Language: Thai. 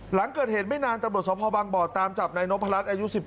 หลังเกิดเหตุไม่นานตำรวจสภบางบ่อตามจับนายนพรัชอายุ๑๗